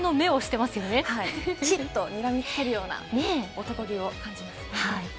にらみつけるような男気を感じます。